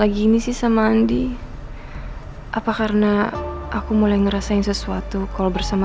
andi aku pulang dulu ya